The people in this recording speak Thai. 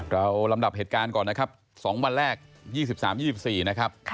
ลำดับเหตุการณ์ก่อนนะครับ๒วันแรก๒๓๒๔นะครับ